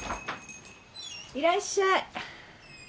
いらっしゃい